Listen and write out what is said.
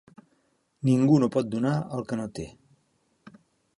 Ningú no pot donar el que no té.